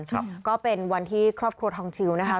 ก็เป็นวันที่ครอบครัวทองชิวนะคะ